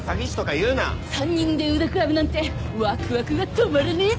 ３人で腕比べなんてワクワクが止まらねえぜ！